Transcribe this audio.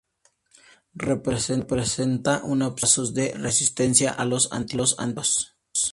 Representa una opción en casos de resistencia a los antibióticos.